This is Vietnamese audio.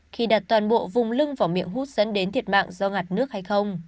khi đặt toàn bộ vùng lưng vào miệng hút dẫn đến thiệt mạng do ngặt nước hay không